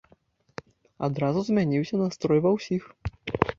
Адразу змяніўся настрой ва ўсіх.